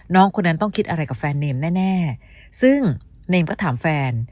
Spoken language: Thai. คนนั้นต้องคิดอะไรกับแฟนเนมแน่ซึ่งเนมก็ถามแฟน